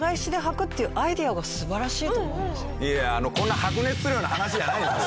いやこんな白熱するような話じゃないですよ。